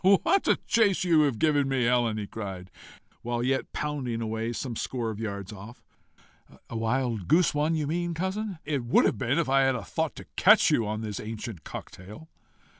"What a chase you've given me, Helen!" he cried, while yet pounding away some score of yards off. "A wild goose one you mean, cousin?" "It would have been if I had thought to catch you on this ancient cocktail."